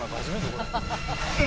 これ。